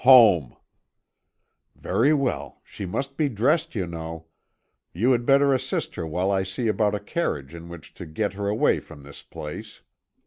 "Home." "Very well; she must be dressed, you know. You had better assist her while I see about a carriage in which to get her away from this place."